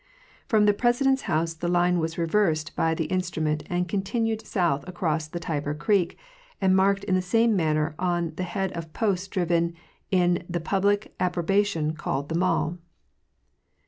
From the President's house the line was reversed by the instrument and continued south across the Tyber creek and marked in the same manner on the head of posts driven in the public appropriation called the mall.